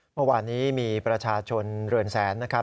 เมื่อวานนี้มีประชาชนเรือนแสนนะครับ